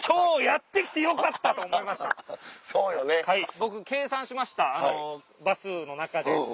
僕計算しましたバスの中で。